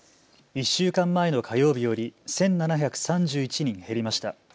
１週間前の火曜日より１７３１人減りました。